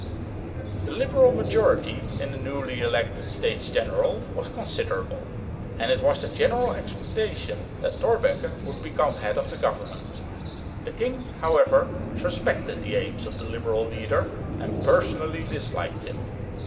The liberal majority in the newly elected States General was considerable; and it was the general expectation that Thorbecke would become head of the government. The king however suspected the aims of the liberal leader, and personally disliked him.